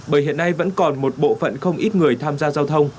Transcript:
bởi hiện nay vẫn còn một bộ phận không ít người tham gia giao thông